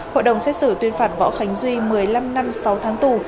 hội đồng xét xử tuyên phạt võ khánh duy một mươi năm năm sáu tháng tù